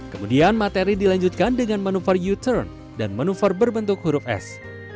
kemudian materi dilanjutkan dengan manuver u turn dan manuver berbentuk huruf s